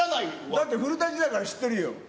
だってだから知ってるよ。